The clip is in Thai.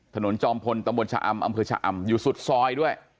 จอมพลตำบลชะอำอำเภอชะอำอยู่สุดซอยด้วย